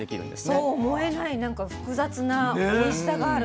そう思えないなんか複雑なおいしさがある。